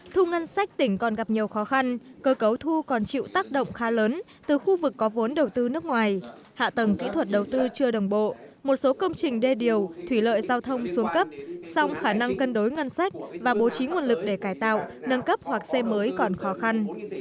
thu ngân sách tỉnh còn gặp nhiều khó khăn cơ cấu thu còn chịu tác động khá lớn từ khu vực có vốn đầu tư nước ngoài hạ tầng kỹ thuật đầu tư chưa đồng bộ một số công trình đê điều thủy lợi giao thông xuống cấp song khả năng cân đối ngân sách và bố trí nguồn lực để cải tạo nâng cấp hoặc xây mới còn khó khăn